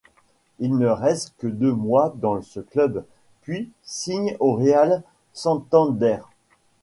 Il ne reste que deux mois dans ce club puis signe au Real Santander.